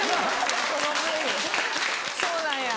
そうなんや。